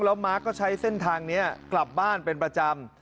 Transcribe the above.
แล้วมาร์คก็ใช้เส้นทางนี้กลับบ้านเป็นประจำ